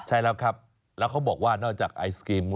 ใช่แล้วครับแล้วเขาบอกว่านอกจากไอศกรีม